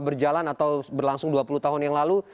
berjalan atau berlangsung dua puluh tahun yang lalu